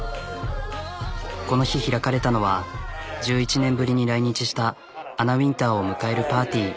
この日開かれたのは１１年ぶりに来日したを迎えるパーティー。